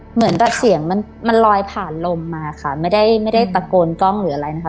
เหมือนแบบเสียงมันมันลอยผ่านลมมาค่ะไม่ได้ไม่ได้ตะโกนกล้องหรืออะไรนะคะ